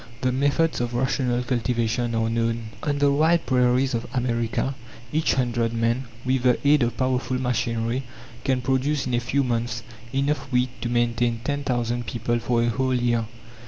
The methods of rational cultivation are known. On the wide prairies of America each hundred men, with the aid of powerful machinery, can produce in a few months enough wheat to maintain ten thousand people for a whole year.